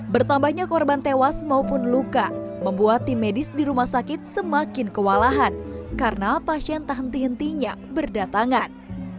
bertambahnya korban tewas maupun luka membuat tim medis di rumah sakit semakin kewalahan karena pasien tak henti hentinya berdatangan